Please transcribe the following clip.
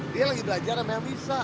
dia lagi belajar apa yang bisa